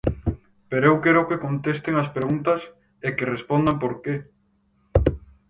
Pero eu quero que contesten ás preguntas e que respondan por que.